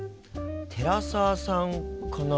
寺澤さんかな？